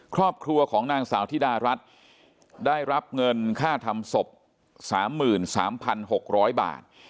ครอบครัวของนางสาวธิดารัฐได้รับเงินค่าทำศพ๓๓๖๐๐บาท